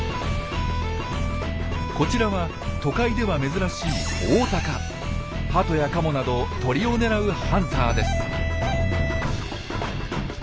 こちらは都会では珍しいハトやカモなど鳥を狙うハンターです。